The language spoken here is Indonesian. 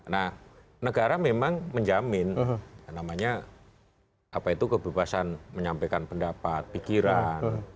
nah negara memang menjamin namanya apa itu kebebasan menyampaikan pendapat pikiran